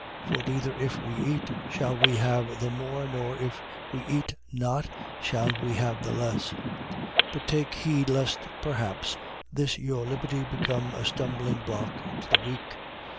For neither, if we eat, shall we have the more: nor, if we eat not, shall we have the less. 8:9. But take heed lest perhaps this your liberty become a stumblingblock to the weak.